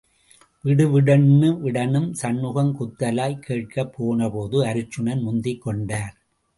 விடுவிடுன்னு விடணும்... சண்முகம் குத்தலாய்க் கேட்கப் போனபோது, அர்ச்சுனன் முந்திக் கொண்டார்.